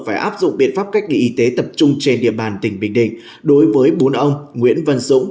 phải áp dụng biện pháp cách ly y tế tập trung trên địa bàn tỉnh bình định đối với bốn ông nguyễn văn dũng